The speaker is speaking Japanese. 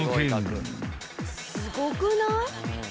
「すごくない？」